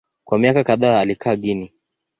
Kwa miaka kadhaa alikaa Guinea.